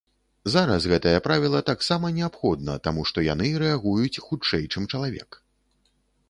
Зараз гэтае правіла таксама неабходна, таму што яны рэагуюць хутчэй, чым чалавек.